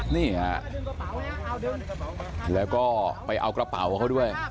นี่ฮะแล้วก็ไปเอากระเป๋าเขาด้วย